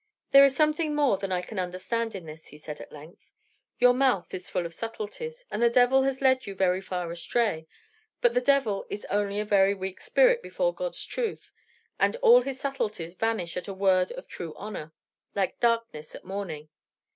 "There is something more than I can understand in this," he said, at length. "Your mouth is full of subtleties, and the devil has led you very far astray; but the devil is only a very weak spirit before God's truth, and all his subtleties vanish at a word of true honor, like darkness at morning.